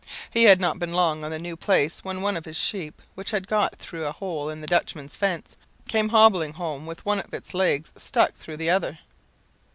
"He had not been long on the new place when one of his sheep, which had got through a hole in the Dutchman's fence, came hobbling home with one of its legs stuck through the other.